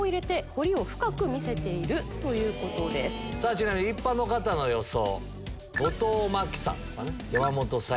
ちなみに一般の方の予想。